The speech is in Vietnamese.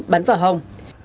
bắn vào hông